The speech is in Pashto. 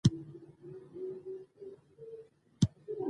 زه څلور ویشت میلمانه د خپل کور ته بللي دي.